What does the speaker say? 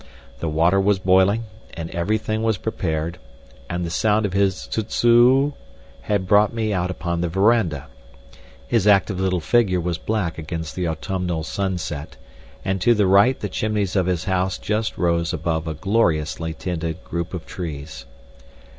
The water was boiling, and everything was prepared, and the sound of his "zuzzoo" had brought me out upon the verandah. His active little figure was black against the autumnal sunset, and to the right the chimneys of his house just rose above a gloriously tinted group of trees.